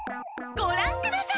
「ごらんください！